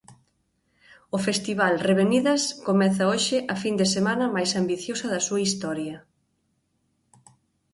O festival Revenidas comeza hoxe a fin de semana máis ambiciosa da súa historia.